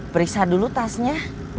berisa dulu tasnya